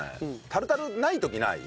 タルタルない時ない？